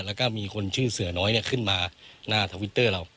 แล้วก็มีคนชื่อเสือน้อยขึ้นมาหน้าทวิตเตอร์เรา